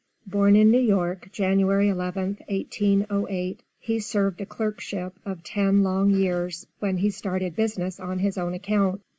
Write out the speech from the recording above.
Born in New York, January 11th, 1808, he served a clerkship of ten long years, when he started business on his own account.